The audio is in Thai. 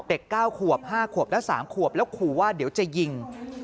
๙ขวบ๕ขวบและ๓ขวบแล้วขู่ว่าเดี๋ยวจะยิง